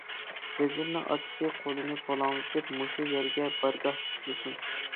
ۋەزىرنىڭ ئاتىسى قولىنى پۇلاڭلىتىپ، -مۇشۇ يەرگە بارگاھ تىكىلسۇن.